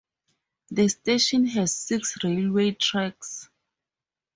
The station has six railway tracks.